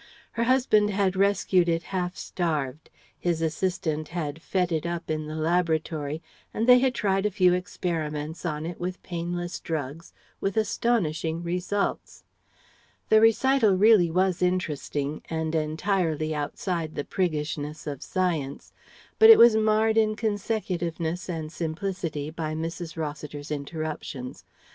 Her husband had rescued it half starved; his assistant had fed it up in the laboratory, and they had tried a few experiments on it with painless drugs with astonishing results.] The recital really was interesting and entirely outside the priggishness of Science, but it was marred in consecutiveness and simplicity by Mrs. Rossiter's interruptions.